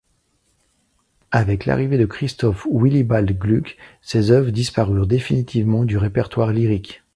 Avec l'arrivée de Christoph Willibald Gluck, ses œuvres disparurent définitivement du répertoire lyrique.